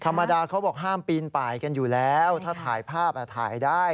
ธรรมดาเขาบอกห้ามปีนป่ายกันอยู่แล้วถ้าถ่ายภาพถ่ายได้